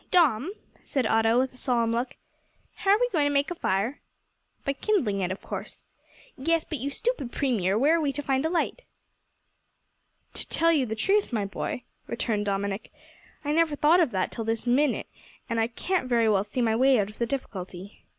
"Dom," said Otto, with a solemn look, "how are we to make a fire?" "By kindling it, of course." "Yes, but, you stupid Premier, where are we to find a light?" "To tell you the truth, my boy," returned Dominick, "I never thought of that till this moment, and I can't very well see my way out of the difficulty."